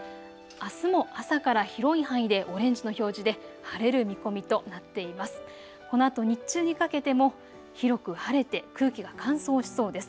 あすも朝から広い範囲でオレンジの表示で晴れる見込みとなっています。